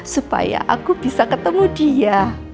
supaya aku bisa ketemu dia